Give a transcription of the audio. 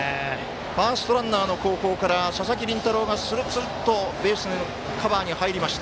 ファーストランナーの後方から佐々木麟太郎がつるつるっとベースカバーに入りました。